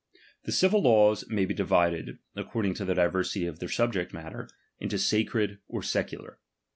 The civil laws may be divided, according to the diversity of their subject matter, mto sacred or secular.